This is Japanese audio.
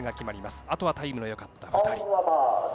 あとはタイムのよかった２人。